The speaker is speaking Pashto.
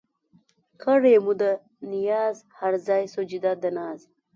کړېده مو ده نياز هر ځای سجده د ناز